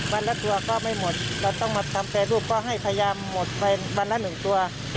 วันละตัวก็ไม่หมดเราต้องมาทำแปรรูปก็ให้พยายามหมดไปวันละหนึ่งตัว